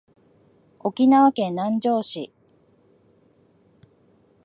沖縄県南城市